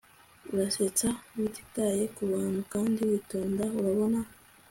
Urasetsa utitaye kubantu kandi witonda urabona